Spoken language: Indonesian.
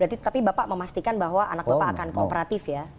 tapi bapak memastikan bahwa anak bapak akan kooperatif ya